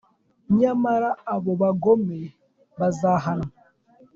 Nyamara abo bagome bazahanwa